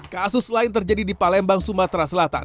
kasus lain terjadi di palembang sumatera selatan